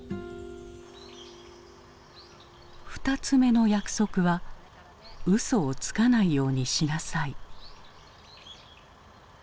２つ目の約束は「うそをつかないようにしなさい」。